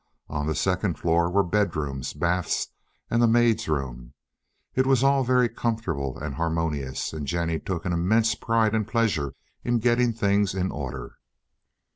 On the second floor were bedrooms, baths, and the maid's room. It was all very comfortable and harmonious, and Jennie took an immense pride and pleasure in getting things in order.